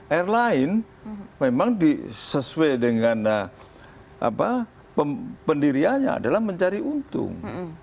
airline memang sesuai dengan pendiriannya adalah mencari untung